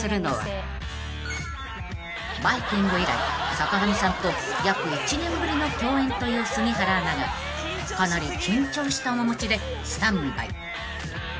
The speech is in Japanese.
［『バイキング』以来坂上さんと約１年ぶりの共演という杉原アナがかなり緊張した面持ちでスタンバイ］